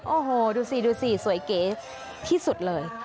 โอ้โหดูสิดูสิสวยเก๋ที่สุดเลย